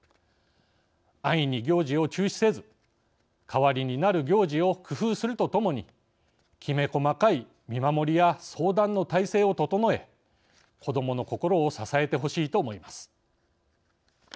安易に行事を中止せず代わりになる行事を工夫するとともにきめ細かい見守りや相談の体制を整え子どもの心を支えてほしいと思います。